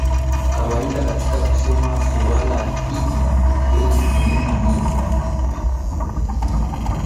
kawaida katika kusoma suala hili Ukweli muhimu ni